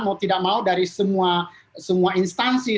mau tidak mau dari semua instansi